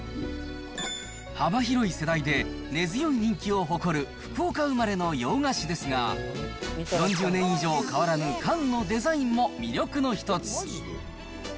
幅広い世代で根強い人気を誇る、福岡生まれの洋菓子ですが、４０年以上変わらぬ缶のデザインも魅力の一つ。